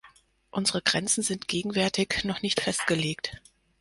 Unsere Grenzen sind gegenwärtig noch nicht festgelegt.